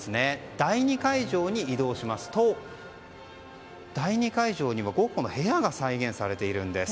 第２会場に移動しますとゴッホの部屋が再現されているんです。